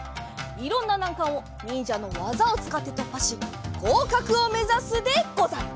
いろんななんかんをにんじゃのわざをつかってとっぱしごうかくをめざすでござる！